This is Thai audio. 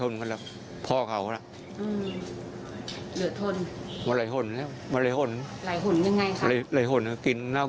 ไม่มีโรค